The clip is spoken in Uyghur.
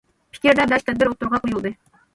« پىكىر» دە بەش تەدبىر ئوتتۇرىغا قويۇلدى.